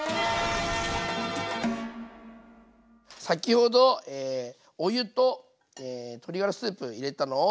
先ほどお湯と鶏ガラスープ入れたのを。